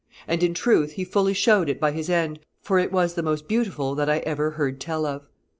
And in truth he fully showed it by his end, for it was the most beautiful that I ever heard tell of.